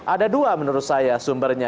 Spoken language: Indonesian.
ada dua menurut saya sumbernya